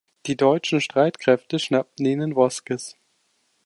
Die deutschen Streitkräfte schnappten ihn in Vosges.